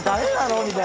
みたいな。